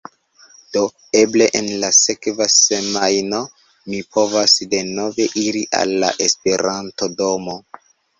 Do eble en la sekva semajno mi povos denove iri al la esperantodomo